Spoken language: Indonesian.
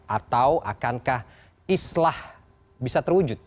atau akankah islah bisa terwujud